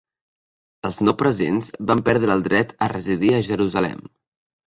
Els no presents van perdre el dret a residir a Jerusalem.